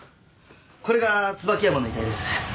これが椿山の遺体です。